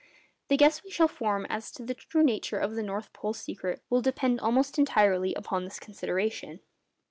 The guess we shall form as to the true nature of the north polar secret will depend almost entirely on this consideration.